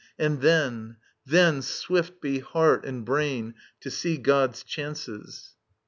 And then ... then swift be heart and brain, to see God's chances